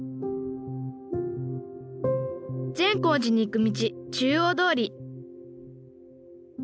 善光寺に行く道中央通り